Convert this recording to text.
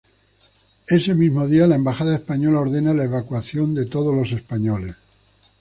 Ese mismo día, la embajada española ordena la evacuación todos los españoles.